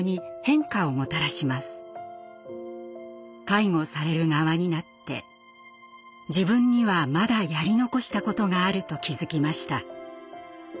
介護される側になって自分にはまだやり残したことがあると気付きました。